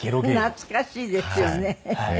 懐かしいですよね。